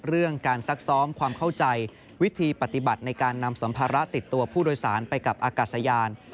เรื่องการซักซ้อมความเข้าใจวิธีปฏิบัติในการนำสัมภาระติดตัวผู้โดยสารไปกับอากาศยาน